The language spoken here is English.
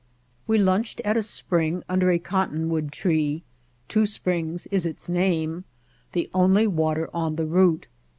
We lunched at a spring under a cottonwood tree — Two Springs is its name, the only water on the route.